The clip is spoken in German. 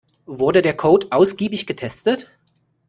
Wurde der Code ausgiebig getestet?